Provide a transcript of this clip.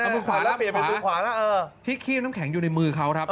มือขวาแล้วเปลี่ยนมือขวาแล้วเออที่คีบน้ำแข็งอยู่ในมือเขาครับ